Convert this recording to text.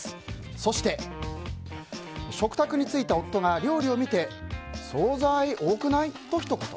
そして、食卓について夫が料理を見て総菜多くない？とひと言。